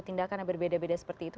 tindakan yang berbeda beda seperti itu